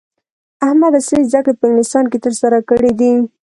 احمد عصري زده کړې په انګلستان کې ترسره کړې دي.